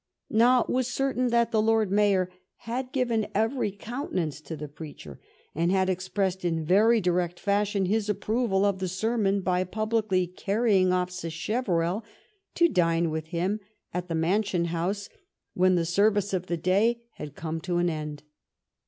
Now it was certain that the Lord Mayor had given every coun tenance to the preacher, and had expressed in very direct fashion his approval of the sermon by publicly carrying off Sacheverell to dine with him at the Mansion House when the service of the day had come to an end.